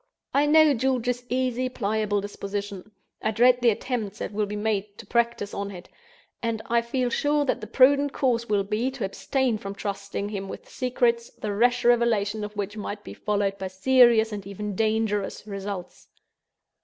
I know George's easy, pliable disposition; I dread the attempts that will be made to practice on it; and I feel sure that the prudent course will be, to abstain from trusting him with secrets, the rash revelation of which might be followed by serious, and even dangerous results.